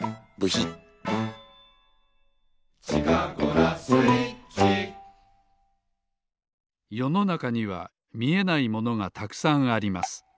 「地下ゴラスイッチ」よのなかにはみえないものがたくさんあります。